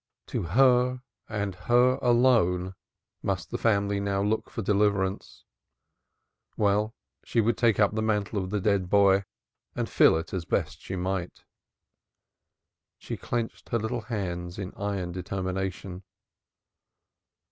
To her and her alone must the family now look for deliverance. Well, she would take up the mantle of the dead boy, and fill it as best she might. She clenched her little hands in iron determination.